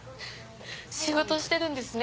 仕事してるんですね